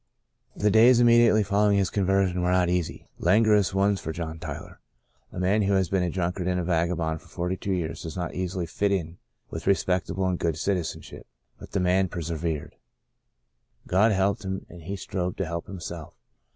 The days immediately following his con version were not easy, languorous ones for John Tyler. A man who has been a drunk ard and a vagabond for forty two years does not easily fit in with respectability and good citizenship. But the man persevered. God helped him and he strove to help himself.